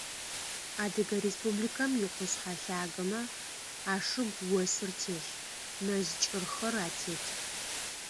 Адыгэ Республикэм икъушъхьэ лъагэмэ ашыгу осыр телъ, мэз кӏырхэр атет.